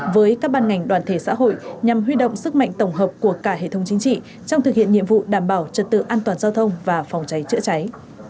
với các ban ngành đoàn thể xã hội nhằm huy động sức mạnh tổng hợp của cả hệ thống chính trị trong thực hiện nhiệm vụ đảm bảo trật tự an toàn giao thông và phòng cháy chữa cháy